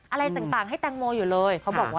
อะไรต่างให้แตงโมอยู่เลย